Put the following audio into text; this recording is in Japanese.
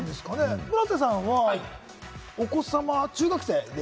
村瀬さんは、お子さまは中学生？